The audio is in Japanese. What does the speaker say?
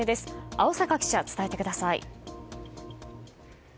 青坂記者伝えてください。